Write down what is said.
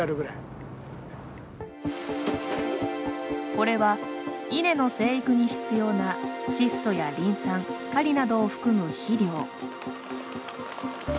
これは、稲の生育に必要な窒素やリン酸カリなどを含む肥料。